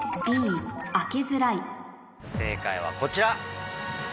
正解はこちら。